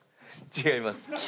違います。